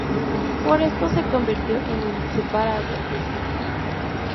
Por esto se convirtió en inseparable de Hitler.